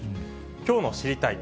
きょうの知りたいッ！